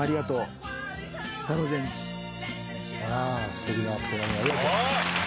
ステキな手紙ありがとう。